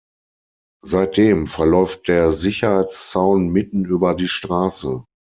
Seitdem verläuft der Sicherheitszaun mitten über die Straße.